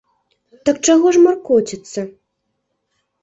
Так чаго ж маркоціцца.